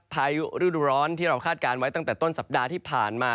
พายุฤดูร้อนที่เราคาดการณ์ไว้ตั้งแต่ต้นสัปดาห์ที่ผ่านมา